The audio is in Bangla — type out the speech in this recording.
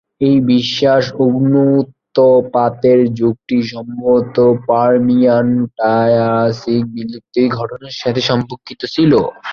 এই বিশাল অগ্ন্যুৎপাতের যুগটি সম্ভবত পারমিয়ান-ট্রায়াসিক বিলুপ্তির ঘটনার সাথে সম্পর্কিত ছিল।